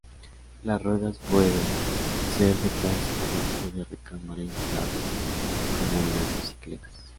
Las ruedas pueden ser de plástico o de recámara inflable como en las bicicletas.